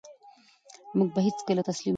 موږ به هېڅکله تسلیم نه شو.